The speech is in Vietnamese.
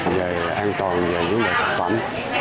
về an toàn về những loại thực phẩm